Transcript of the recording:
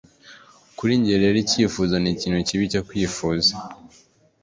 kuri njye rero, icyifuzo nikintu kibi cyo kwifuza